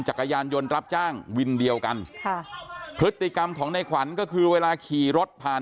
จักรยานยนต์รับจ้างวินเดียวกันค่ะพฤติกรรมของในขวัญก็คือเวลาขี่รถผ่าน